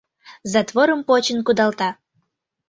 Затворым почын кудалта.